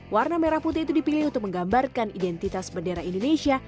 warna merah putih itu dipilih untuk menggambarkan identitas bendera indonesia